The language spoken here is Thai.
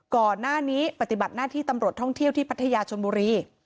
ก่อนหน้านี้ปฏิบัติหน้าที่ตำรวจท่องเที่ยวที่พัทยาชนบุรี